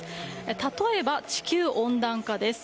例えば、地球温暖化です。